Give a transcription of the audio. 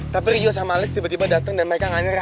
tapi rio sama alex tiba tiba dateng dan mereka nggak nyerah